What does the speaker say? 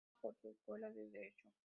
Renombrada por su escuela de Derecho.